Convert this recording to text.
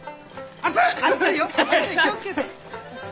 熱い気を付けて。